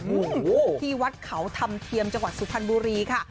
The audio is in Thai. ที่วัดเขาธรรมเทียมจังหวัดสุพรรณบุรีค่ะ